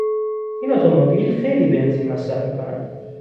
این اتومبیل خیلی بنزین مصرف میکند.